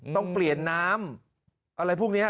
ต้องเปลี่ยนน้ำอะไรพวกนี้